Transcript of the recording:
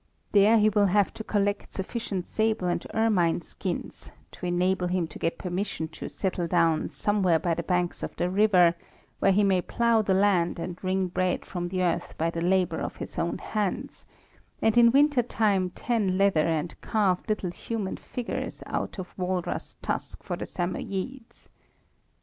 There he will have to collect sufficient sable and ermine skins to enable him to get permission to settle down somewhere by the banks of the river where he may plough the land and wring bread from the earth by the labour of his own hands, and in winter time tan leather and carve little human figures out of walrus tusks for the Samoyedes.